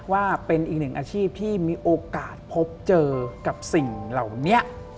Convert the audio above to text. ว่าเป็นอีกหนึ่งอาชีพที่มีโอกาสพบเจอกับสิ่งเหล่านี้